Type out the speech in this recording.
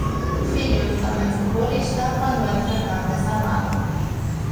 Fillo do tamén futbolista Manuel Fernández Amado.